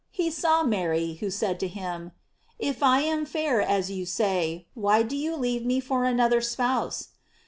he saw Mary, who said to him: "If I am fair as you say, why do you leave me for another spouse?